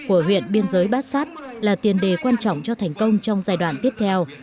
của huyện biên giới bassat là tiền đề quan trọng cho thành công trong giai đoạn tiếp theo